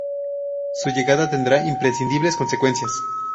Su llegada tendrá imprevisibles consecuencias.